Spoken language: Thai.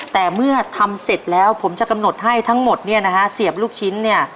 แต่เมื่อทำเสร็จแล้วผมจะกำหนดให้ทั้งหมดเนี่ยนะฮะเสียบลูกชิ้นเนี่ย